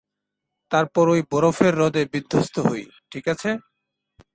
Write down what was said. তারপর ওই বরফের হ্রদে বিধ্বস্ত হই, ঠিক আছে?